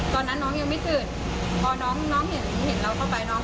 ตอนนั้นน้องยังไม่ตื่นพอน้องเห็นเราเข้าไปน้อง